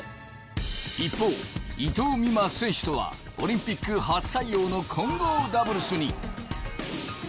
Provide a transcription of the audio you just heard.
一方伊藤美誠選手とはオリンピック初採用の混合ダブルスに。